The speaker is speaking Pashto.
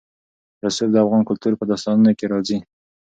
رسوب د افغان کلتور په داستانونو کې راځي.